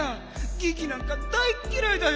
ギギなんか大っきらいだよ！